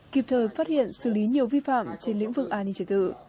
kịp thời phát hiện xử lý nhiều vi phạm trên lĩnh vực an ninh trật tự